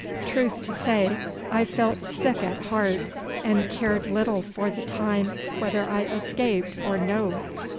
Truth to say, I felt sick at heart and cared little for the time whether I escaped or no.